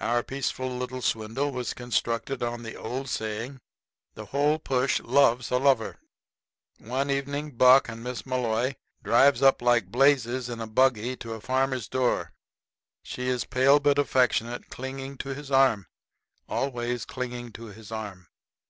Our peaceful little swindle was constructed on the old saying: "The whole push loves a lover." One evening Buck and Miss Malloy drives up like blazes in a buggy to a farmer's door. She is pale but affectionate, clinging to his arm always clinging to his arm.